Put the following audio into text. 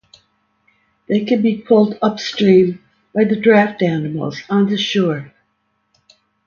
they can be pulled upstream by draft animals on the shores.